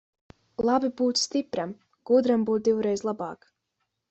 Labi būt stipram, gudram būt divreiz labāk.